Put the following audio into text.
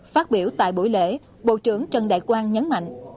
phát biểu tại buổi lễ bộ trưởng trần đại quang nhấn mạnh